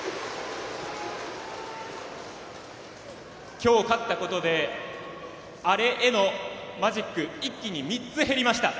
今日、勝ったことで「Ａ．Ｒ．Ｅ．」へのマジック一気に３つ、減りました。